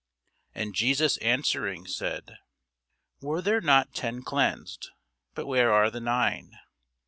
And Jesus answering said, Were there not ten cleansed? but where are the nine?